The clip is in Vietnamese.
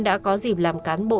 đã có dịp làm cán bộ